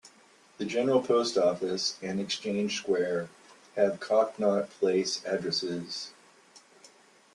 The General Post Office and Exchange Square have Connaught Place addresses.